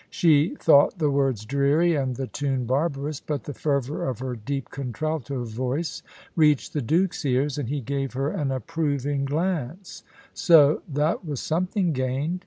She thought the words dreary and the tune barbarous, but the fervour of her deep contralto voice reached the Duke's ears, and he gave her an approving glance; so that was something gained.